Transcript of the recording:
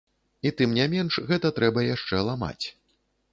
І тым не менш, гэта трэба яшчэ ламаць.